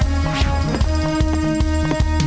แม่บ้านประจำบาน